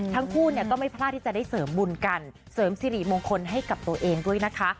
ทั้งคู่เนี่ยก็ไม่พลาดที่จะได้เสริมบุญกันเสริมสิริมงคลให้กับตัวเองด้วยนะคะ